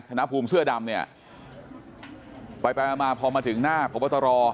ธนภูมิเสื้อดำเนี่ยไปไปมาพอมาถึงหน้าพบตร